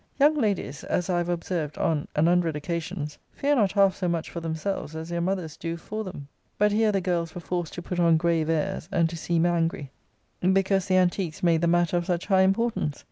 Young ladies, as I have observed on an hundred occasions, fear not half so much for themselves as their mothers do for them. But here the girls were forced to put on grave airs, and to seem angry, because the antiques made the matter of such high importance.